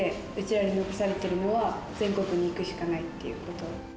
らに残されてるのは全国に行くしかないっていうこと。